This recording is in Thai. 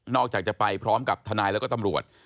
จากจะไปพร้อมกับทนายแล้วก็ตำรวจ